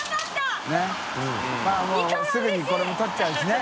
佑まぁもうすぐにこれも取っちゃうしね。